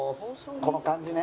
この感じね。